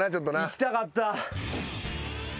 いきたかった。